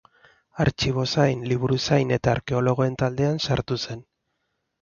Artxibozain, Liburuzain eta Arkeologoen taldean sartu zen.